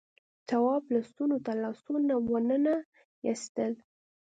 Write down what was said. تواب لستونو ته لاسونه وننه ایستل.